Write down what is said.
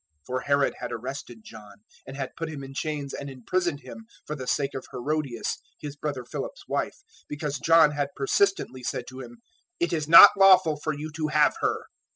014:003 For Herod had arrested John, and had put him in chains, and imprisoned him, for the sake of Herodias his brother Philip's wife, 014:004 because John had persistently said to him, "It is not lawful for you to have her."